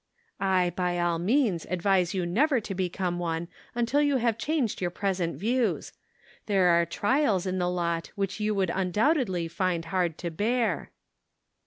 " I by all means advise you never to become one until you have changed your present views. There are trials in the lot which you would un doubtedly find hard to bear."